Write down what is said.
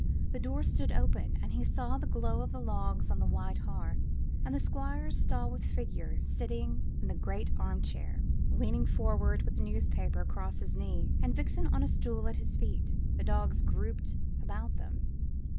The door stood open, and he saw the glow of the logs on the wide hearth, and the Squire's stalwart figure sitting in the great arm chair, leaning forward with a newspaper across his knee, and Vixen on a stool at his feet, the dogs grouped about them.